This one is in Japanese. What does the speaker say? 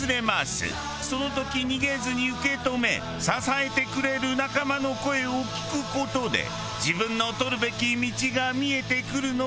その時逃げずに受け止め支えてくれる仲間の声を聞く事で自分の取るべき道が見えてくるのかもしれませんね。